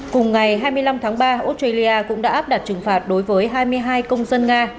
cùng ngày hai mươi năm tháng ba australia cũng đã áp đặt trừng phạt đối với hai mươi hai công dân nga